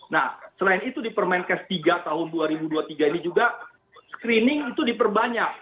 nah selain itu di permenkes tiga tahun dua ribu dua puluh tiga ini juga screening itu diperbanyak